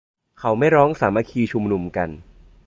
เขาไม่ร้องสามัคคีชุมนุมกัน